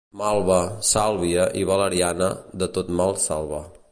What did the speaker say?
Malva, sàlvia i valeriana, de tot mal salva.